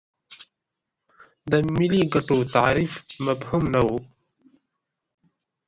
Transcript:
د ملي ګټو تعریف مبهم نه و.